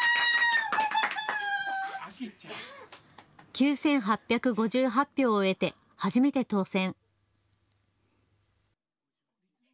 ９８５８票を得て初めて当選。